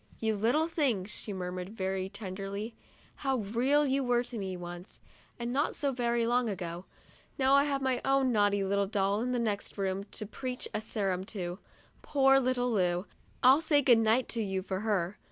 "You little things," she mur mured, very tenderly. " How real you were to me, once; and not so very long ago. Now I have my own naughty little doll, in the next room, to preach a sermon to — poor little Lu ! I'll say ' good night' to you for her."